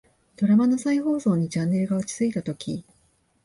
ドラマの再放送にチャンネルが落ち着いたとき、